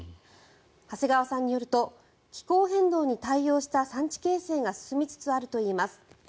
長谷川さんによると気候変動に対応した産地形成が進みつつあるといいます。